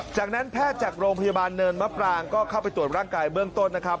จากนั้นแพทย์จากโรงพยาบาลเนินมะปรางก็เข้าไปตรวจร่างกายเบื้องต้นนะครับ